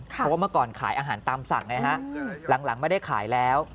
เพราะว่าเมื่อก่อนขายอาหารตามสั่งไงฮะหลังไม่ได้ขายแล้ว